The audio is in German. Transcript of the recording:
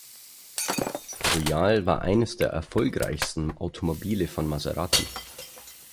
Royale war eines der erfolgreichsten Automobile von Maserati.